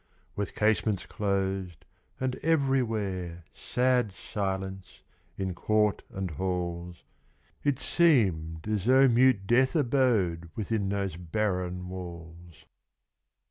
With casements closed, and everywhere Sad silence in court and halls, It seemed as though mute death abode Within those barren walls.